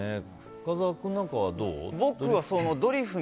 深澤君なんかはどう？